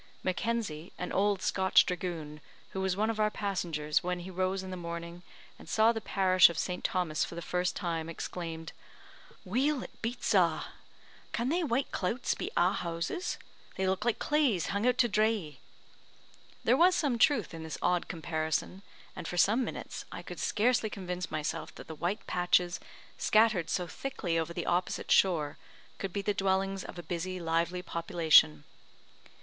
Mackenzie, an old Scotch dragoon, who was one of our passengers, when he rose in the morning, and saw the parish of St. Thomas for the first time, exclaimed: "Weel, it beats a'! Can thae white clouts be a' houses? They look like claes hung out to drie!" There was some truth in this odd comparison, and for some minutes, I could scarcely convince myself that the white patches scattered so thickly over the opposite shore could be the dwellings of a busy, lively population.